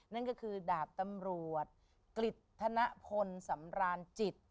นั่นก็คือดาบตำรวจกฤษธนพลสำรานจิต